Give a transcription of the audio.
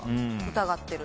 疑ってる。